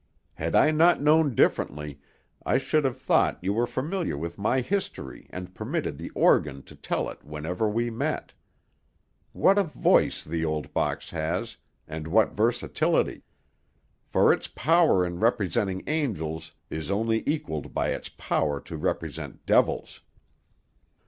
Had I not known differently, I should have thought you were familiar with my history and permitted the organ to tell it whenever we met. What a voice the old box has, and what versatility; for its power in representing angels is only equalled by its power to represent devils.